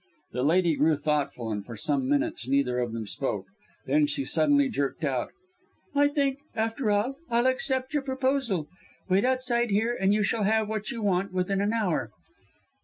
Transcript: The lady grew thoughtful, and for some minutes neither of them spoke. Then she suddenly jerked out: "I think, after all, I'll accept your proposal. Wait outside here and you shall have what you want within an hour."